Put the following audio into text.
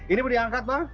ini boleh diangkat bang